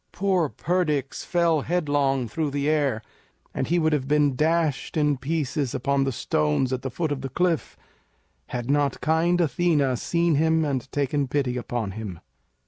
Poor Perdix fell headlong through the air, and he would have been dashed in pieces upon the stones at the foot of the cliff had not kind Athena seen him and taken pity upon him.